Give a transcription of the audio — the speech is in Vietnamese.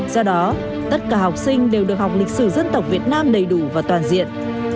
do đó tất cả học sinh đều được học lịch sử dân tộc việt nam đầy đủ và toàn diện